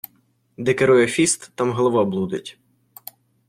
Де керує фіст, там голова блудить.